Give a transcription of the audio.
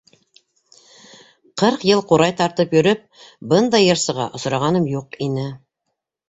Ҡырҡ йыл ҡурай тартып йөрөп, бындай йырсыға осрағаным юҡ ине.